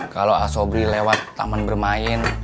kalau asobri lewat taman bermain